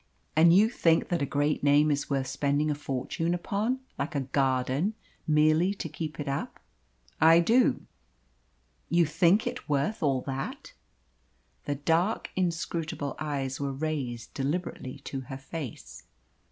"And you think that a great name is worth spending a fortune upon, like a garden, merely to keep it up?" "I do." "You think it worth all that?" The dark, inscrutable eyes were raised deliberately to her face.